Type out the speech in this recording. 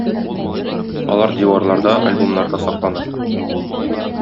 Алар диварларда, альбомнарда саклана.